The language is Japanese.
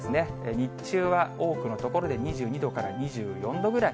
日中は多くの所で２２度から２４度ぐらい。